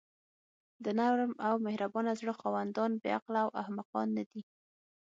د نرم او مهربانه زړه خاوندان بې عقله او احمقان ندي.